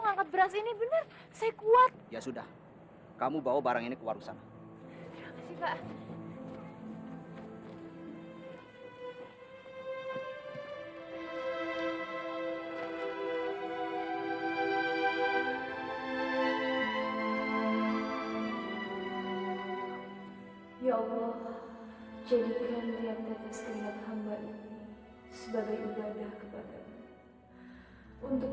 ngangkat beras ini benar saya kuat ya sudah kamu bawa barang ini keluar sana ya allah